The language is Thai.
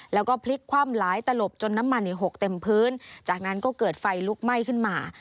แล้วก็พลิกคว่ำหลายตลบจนน้ำมันหกเต็มพื้นจากนั้นก็เกิดไฟลุกไหม้ขึ้นมา